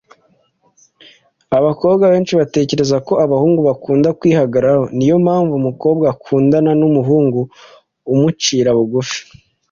Abakobwa benshi batekereza ko abahungu bakunda kwihagararaho niyo mpamvu umukobwa ukundana n’umuhungu umucira bugufi